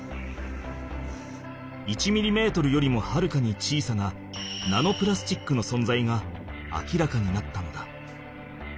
１ミリメートルよりもはるかに小さなナノプラスチックのそんざいが明らかになったのだ。